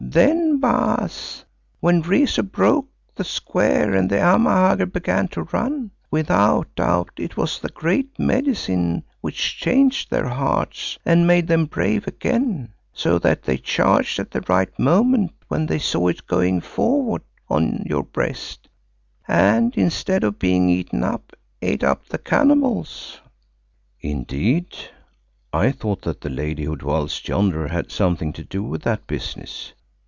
Then, Baas, when Rezu broke the square and the Amahagger began to run, without doubt it was the Great Medicine which changed their hearts and made them brave again, so that they charged at the right moment when they saw it going forward on your breast, and instead of being eaten up, ate up the cannibals." "Indeed! I thought that the Lady who dwells yonder had something to do with that business.